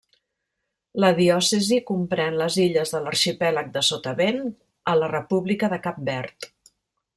La diòcesi comprèn les illes de l'arxipèlag de Sotavent, a la república de Cap Verd.